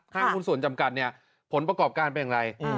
ห้างคุณส่วนจำกัดผลประกอบการเป็นอย่างไร